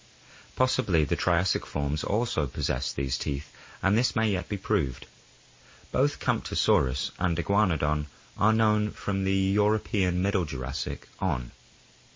Possibly the Triassic forms also possessed these teeth and this may yet be proved. Both Camptosaurus and Iguanodon are known from the European Middle Jurassic on.